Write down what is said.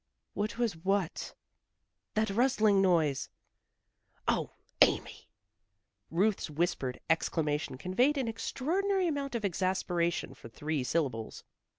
"What was what?" "That rustling noise." "O, Amy!" Ruth's whispered exclamation conveyed an extraordinary amount of exasperation for three syllables.